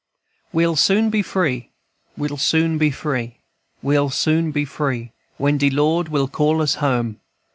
"We'll soon be free, We'll soon be free, We'll soon be free, When de Lord will call us home.